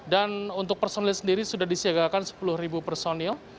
untuk personil sendiri sudah disiagakan sepuluh personil